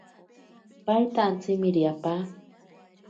Paita antsimiri apa.